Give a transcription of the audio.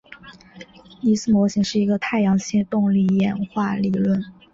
尼斯模型是一个太阳系动力演化理论。